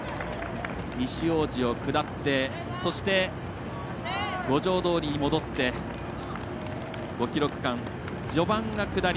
西大路を下ってそして、五条通に戻って５ｋｍ区間序盤が下り。